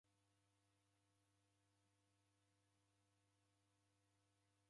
Charo cha nakio cheko na ndengwa mbaha